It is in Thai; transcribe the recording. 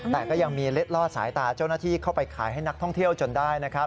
แต่ก็ยังมีเล็ดลอดสายตาเจ้าหน้าที่เข้าไปขายให้นักท่องเที่ยวจนได้นะครับ